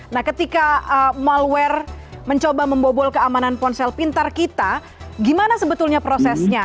nah ketika malware mencoba membobol keamanan ponsel pintar kita gimana sebetulnya prosesnya